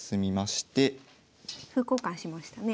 歩交換しましたね。